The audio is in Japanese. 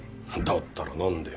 だったら何で。